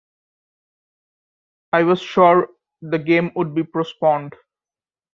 I was sure the game would be postponed.